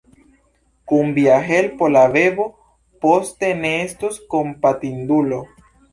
Kun via helpo la bebo poste ne estos kompatindulo.